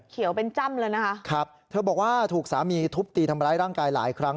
เขียวเป็นจ้ำเลยนะคะครับเธอบอกว่าถูกสามีทุบตีทำร้ายร่างกายหลายครั้ง